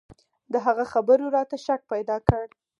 د هغه خبرو راته شک پيدا کړ.